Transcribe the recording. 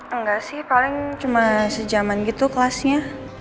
enggak sih paling cuma sejaman gitu kelasnya